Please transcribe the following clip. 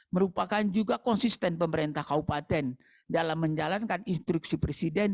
merupakan juga konsisten pemerintah kaupaten dalam menjalankan instruksi presiden